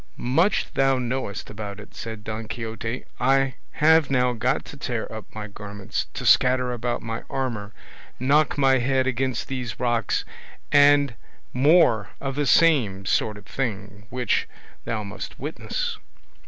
"Much thou knowest about it!" said Don Quixote. "I have now got to tear up my garments, to scatter about my armour, knock my head against these rocks, and more of the same sort of thing, which thou must witness."